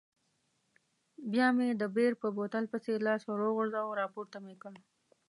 بیا مې د بیر په بوتل پسې لاس وروغځاوه، راپورته مې کړ.